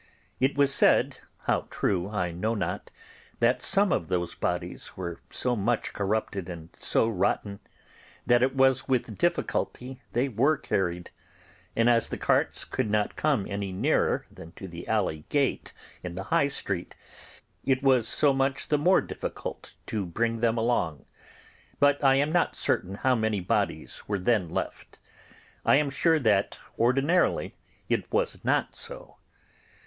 It was said, how true I know not, that some of those bodies were so much corrupted and so rotten that it was with difficulty they were carried; and as the carts could not come any nearer than to the Alley Gate in the High Street, it was so much the more difficult to bring them along; but I am not certain how many bodies were then left. I am sure that ordinarily it was not so.